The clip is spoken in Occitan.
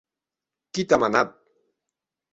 Qui t’a manat?